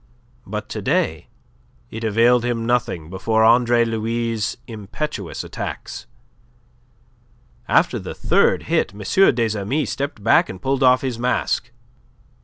But to day it availed him nothing before Andre Louis' impetuous attacks. After the third hit, M. des Amis stepped back and pulled off his mask.